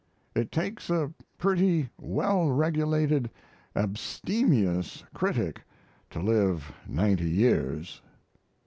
It takes a pretty well regulated abstemious critic to live ninety years.